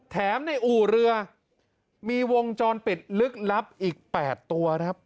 แถมในอู่เรือมีวงจรปิดลึกลับอีก๘ตัวครับ